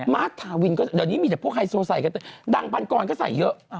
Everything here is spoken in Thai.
ทาวินก็เดี๋ยวนี้มีแต่พวกไฮโซใส่กันแต่ดังพันกรก็ใส่เยอะ